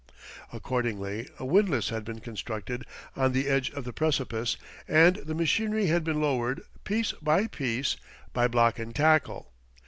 Accordingly, a windlass had been constructed on the edge of the precipice and the machinery had been lowered, piece by piece, by block and tackle.